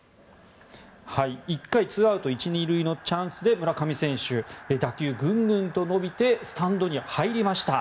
１回２アウト１・２塁のチャンスで村上選手、打球グングンと伸びてスタンドに入りました。